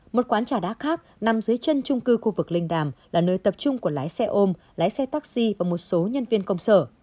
một quán trà đá khác nằm dưới chân trung cư khu vực linh đàm là nơi tập trung của lái xe ôm lái xe taxi và một số nhân viên công sở